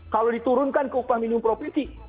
kalau diturunkan ke upah minimum properti